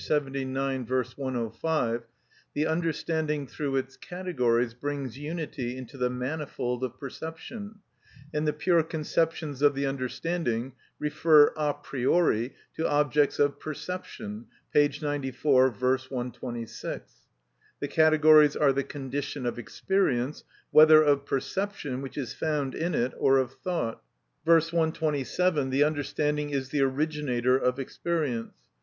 79; V. 105), the understanding through its categories brings unity into the manifold of perception, and the pure conceptions of the understanding refer a priori to objects of perception. P. 94; V. 126, the "categories are the condition of experience, whether of perception, which is found in it, or of thought." V. p. 127, the understanding is the originator of experience.